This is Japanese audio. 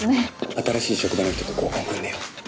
新しい職場の人と合コン組んでよ。